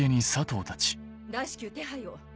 大至急手配を！